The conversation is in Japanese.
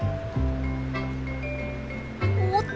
おっと！